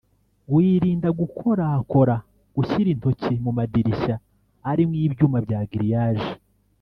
wirinda gukorakora (gushyira intoki) mu madirishya arimo ibyuma bya grillage